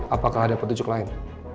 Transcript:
apakah ada petujuk lain